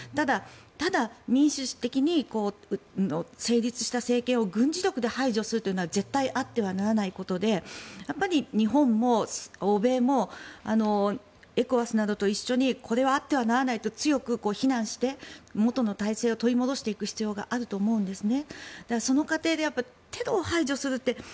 ただ、民主的に成立した政権を軍事力で排除するのは絶対にあってはならないことでやっぱり日本も欧米もＥＣＯＷＡＳなどと一緒にこれはあってはならないと強く非難して元の体制を取り戻していく必要があると思うんですね。